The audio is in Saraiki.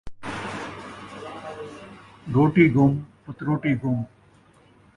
روٹی گم ، پتروٹی گم